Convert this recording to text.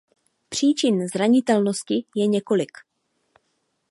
Příčin zranitelnosti je několik.